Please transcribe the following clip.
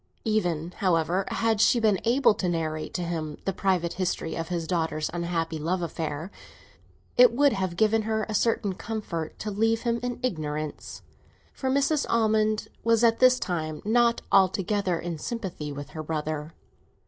Even, however, had she been able to narrate to him the private history of his daughter's unhappy love affair, it would have given her a certain comfort to leave him in ignorance; for Mrs. Almond was at this time not altogether in sympathy with her brother.